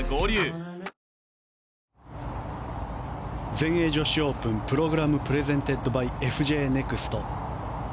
全英女子オープンＰｒｏｇｒａｍｐｒｅｓｅｎｔｅｄｂｙＦＪネクスト。